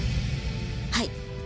はい。